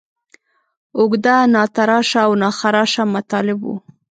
اوږده، ناتراشه او ناخراشه مطالب وو.